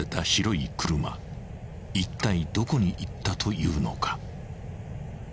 ［いったいどこに行ったというのか］